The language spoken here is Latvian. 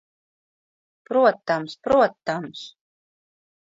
Protams, protams...